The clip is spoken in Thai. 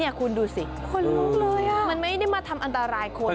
นี่คุณดูสิมันไม่ได้มาทำอันตรายคน